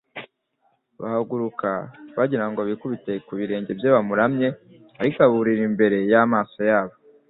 Bahaguruka bagira ngo bikubite ku birenge bye bamuramye ariko aburira imbera y'amaso yabo.